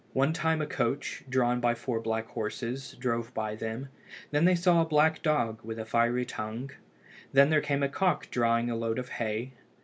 One time a coach, drawn by four black horses, drove by them. Then they saw a black dog with a fiery tongue. Then there came a cock drawing a load of hay.